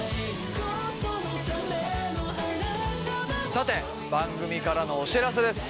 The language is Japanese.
さて番組からのお知らせです。